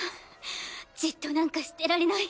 じっとなんかしてられない。